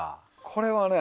これはね